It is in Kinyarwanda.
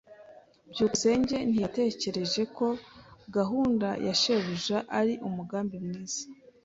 byukusenge ntiyatekereje ko gahunda ya shebuja ari umugambi mwiza.